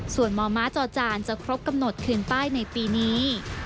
ส่วนมมจอจานจะครบกำหนดคืนป้ายในปีนี้